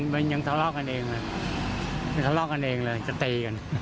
มันยังทะเลาะกันเองเลยจะตีกัน